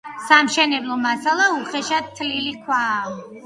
სამშენებლო მასალა უხეშად თლილი ქვაა.